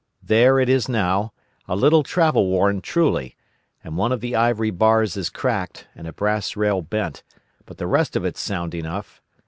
There it is now, a little travel worn, truly; and one of the ivory bars is cracked, and a brass rail bent; but the rest of it's sound enough.